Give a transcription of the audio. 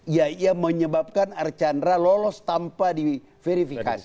ya yang menyebabkan archandra lolos tanpa diverifikasi